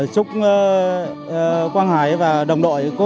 chúc quang hải và đồng đội